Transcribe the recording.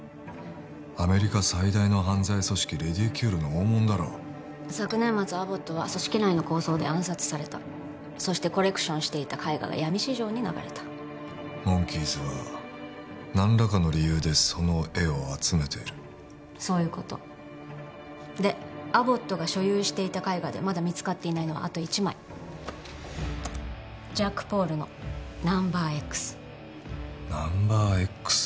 アメリカ最大の犯罪組織レディキュールの大物だろ昨年末アボットは組織内の抗争で暗殺されたそしてコレクションしていた絵画が闇市場に流れたモンキーズは何らかの理由でその絵を集めているそういうことでアボットが所有していた絵画でまだ見つかっていないのはあと１枚ジャックポールの「ナンバーＸ」「ナンバーＸ」